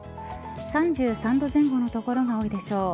３３度前後の所が多いでしょう。